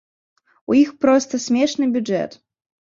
У іх проста смешны бюджэт.